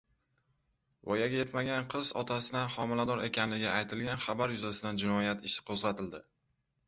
Voyaga yetmagan qiz otasidan homilador ekanligi aytilgan xabar yuzasidan jinoyat ishi qo‘zg‘atildi